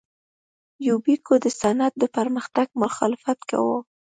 یوبیکو د صنعت د پرمختګ مخالفت کاوه.